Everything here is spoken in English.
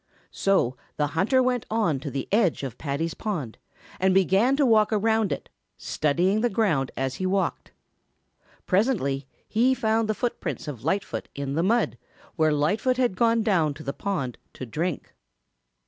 So the hunter went on to the edge of Paddy's pond and then began to walk around it, studying the ground as he walked. Presently he found the footprints of Lightfoot in the mud where Light foot had gone down to the pond to drink.